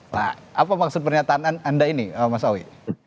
nah apa maksud pernyataan anda ini mas awi